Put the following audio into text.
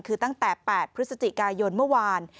คือตั้งแต่๘พฤศจิกายนเมื่อวาน